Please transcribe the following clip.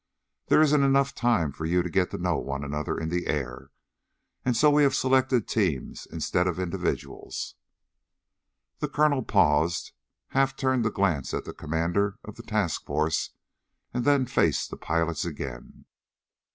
There isn't enough time for you to get to know one another in the air. And so we have selected teams instead of individuals." The colonel paused, half turned to glance at the commander of the task force, and then faced the pilots again.